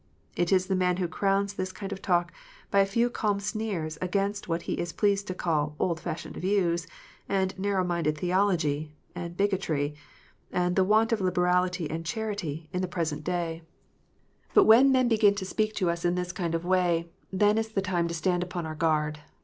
It is the man who crowns this kind of talk by a few calm sneers against what he is pleased to call " old fashioned views," and "narrow minded theology," and "bigotry," and the " want of liberality and charity," in the present day. PHARISEES AND SADDUCEES. 337 But when men begin to speak to us in this kind of way, then is the time to stand upon our guard.